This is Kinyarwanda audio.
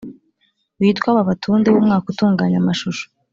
witwa Babatunde wumwaka utunganya amashusho